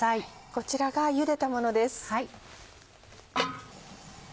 こちらがゆでたものです。